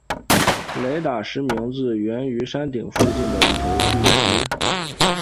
雷打石名字源于山顶附近的一头巨石。